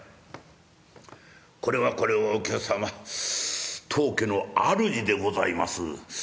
これはこれはお客様当家の主でございます。